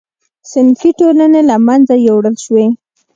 صنفي ټولنې له منځه یووړل شوې.